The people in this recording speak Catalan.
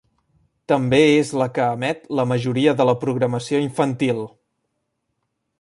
També és la que emet la majoria de la programació infantil.